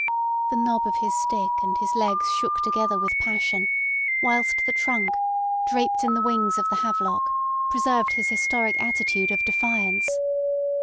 The knob of his stick and his legs shook together with passion, whilst the trunk, draped in the wings of the havelock, preserved his historic attitude of defiance.